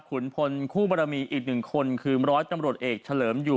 ขุนพลคู่บรมีอีกหนึ่งคนคือร้อยตำรวจเอกเฉลิมอยู่